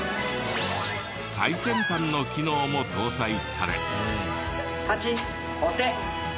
最先端の機能も搭載され。